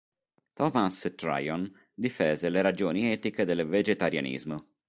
Thomas Tryon difese le ragioni etiche del vegetarianismo.